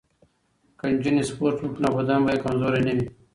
که نجونې سپورت وکړي نو بدن به یې کمزوری نه وي.